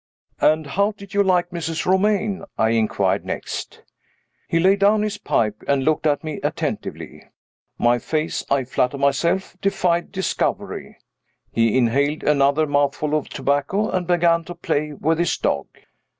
"And how do you like Mrs. Romayne?" I inquired next. He laid down his pipe, and looked at me attentively. My face (I flatter myself) defied discovery. He inhaled another mouthful of tobacco, and began to play with his dog.